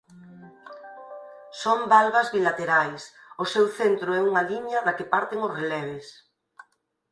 Son valvas bilaterais; o seu centro é unha liña da que parten os releves.